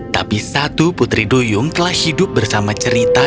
tapi satu putri duyung telah hidup bersama cerita